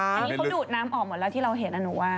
อันนี้เขาดูดน้ำออกหมดแล้วที่เราเห็นนะหนูว่า